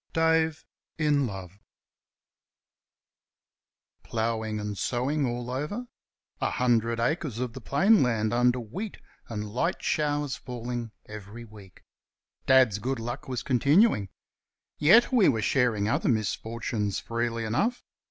DAVE IN LOVE Ploughing and sowing all over. A hundred acres of the plain land under wheat and light showers falling every week. Dad's good luck was continuing. Yet we were sharing other misfortunes freely enough.